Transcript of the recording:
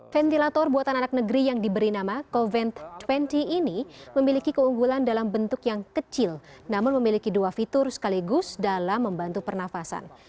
ventilator buatan anak negeri yang diberi nama covid dua puluh ini memiliki keunggulan dalam bentuk yang kecil namun memiliki dua fitur sekaligus dalam membantu pernafasan